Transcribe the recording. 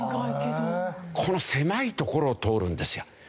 この狭い所を通るんですよ。